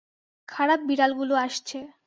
খারাপ বিড়াল গুলো আসছে।